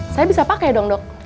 saya bisa pakai dong dok